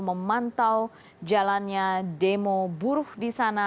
memantau jalannya demo buruh di sana